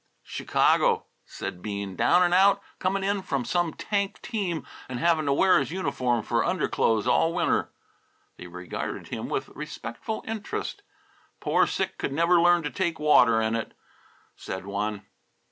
"Chicago," said Bean. "Down and out; coming in from some tank team and having to wear his uniform for underclothes all winter." They regarded him with respectful interest. "Poor Syc could never learn to take water in it," said one.